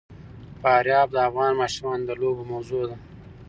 فاریاب د افغان ماشومانو د لوبو موضوع ده.